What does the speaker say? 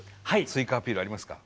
追加アピールありますか？